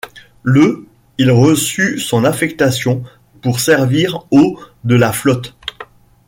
Le il reçut son affectation pour servir au de la flotte.